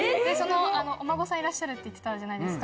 お孫さんいらっしゃるって言ってたじゃないですか。